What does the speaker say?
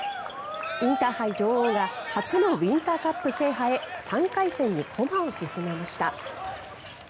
インターハイ女王が初のウインターカップ制覇へ３回戦に駒を進めました。